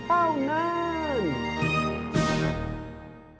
เต้านาน